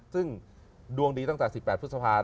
ซึ่งดวงดีตั้งแต่๑๘พฤษภา